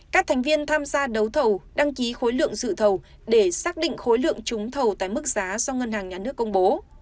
các thành viên tham gia đấu thầu đăng ký khối lượng dự thầu để xác định khối lượng trúng thầu tại mức giá do ngân hàng nhà nước công bố